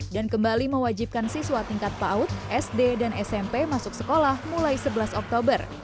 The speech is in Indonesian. dan kembali mewajibkan siswa tingkat paud sd dan smp masuk sekolah mulai sebelas oktober